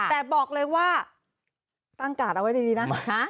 แต่บอกเลยว่าตั้งการ์ดเอาไว้ดีนะ